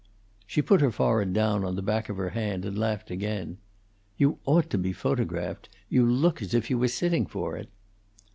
'" She put her forehead down on the back of her hand and laughed again. "You ought to be photographed. You look as if you were sitting for it."